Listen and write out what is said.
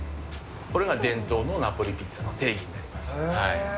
これが伝統のナポリピッツァの定義になります。